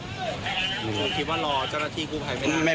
คุณคิดว่ารอเจ้าหน้าที่กลุ่มไฟไม่ได้